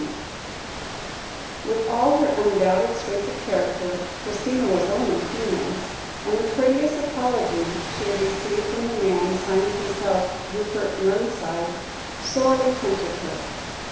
C.'" With all her undoubted strength of character, Christina was only human, and the courteous apology she had received from the man signing himself "Rupert Mernside," sorely tempted her.